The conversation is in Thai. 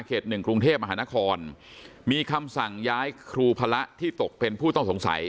หนึ่งกรุงเทพมหานครมีคำสั่งย้ายครูพระที่ตกเป็นผู้ต้องสงสัย